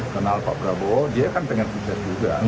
kenal pak prabowo dia kan pengen sukses juga